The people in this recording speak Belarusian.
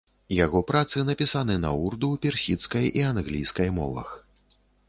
Яго працы напісаны на урду, персідскай і англійскай мовах.